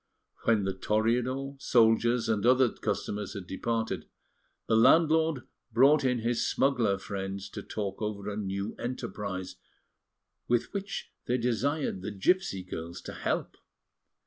When the Toreador, soldiers, and other customers had departed, the landlord brought in his smuggler friends to talk over a new enterprise, with which they desired the gipsy girls to help.